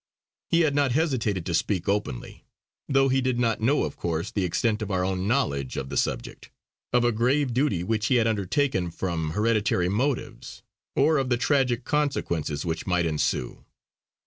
He had not hesitated to speak openly, though he did not know of course the extent of our own knowledge of the subject, of a grave duty which he had undertaken from hereditary motives, or of the tragic consequences which might ensue.